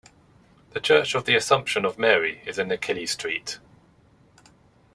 The Church of the Assumption of Mary is in Achilles Street.